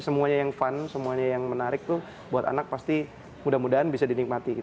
semuanya yang fun semuanya yang menarik tuh buat anak pasti mudah mudahan bisa dinikmati